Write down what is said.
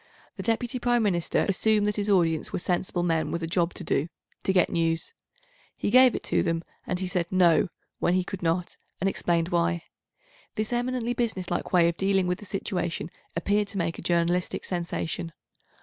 The Deputy Prime Minister assumed that his audience were sensible men with a job todo—to get news. He gave it to them, and he said "No" when he could not, and explained why. This eminently businesslike way of dealing with the situation appeared to make a journalistic sensation.